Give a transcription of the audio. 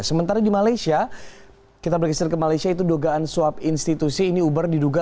sementara di malaysia kita bergeser ke malaysia itu dugaan suap institusi ini uber diduga